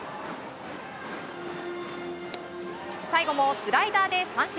最後もスライダーで三振。